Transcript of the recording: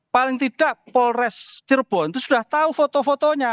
paling tidak polres cirebon itu sudah tahu foto fotonya